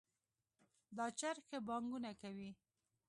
دا چرګ ښه بانګونه کوي